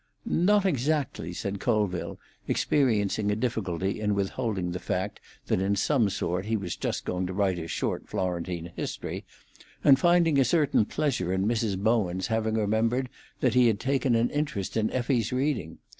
"Not exactly," said Colville, experiencing a difficulty in withholding the fact that in some sort he was just going to write a short Florentine history, and finding a certain pleasure in Mrs. Bowen's having remembered that he had taken an interest in Effie's reading.